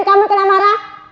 kamu kena marah